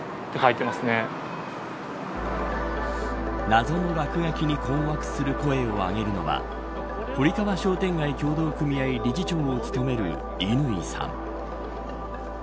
謎の落書きに困惑する声を上げるのは堀川商店街協同組合理事長を務める乾さん。